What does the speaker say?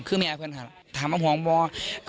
คือแม่เพื่อนถามเอาห่วงว่า